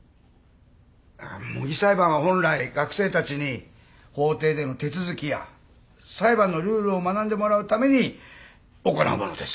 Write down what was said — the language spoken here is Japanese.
模擬裁判は本来学生たちに法廷での手続きや裁判のルールを学んでもらうために行うものです。